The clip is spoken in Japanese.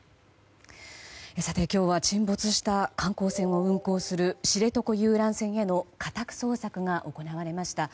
今日は沈没した観光船を運航する知床遊覧船への家宅捜索が行われました。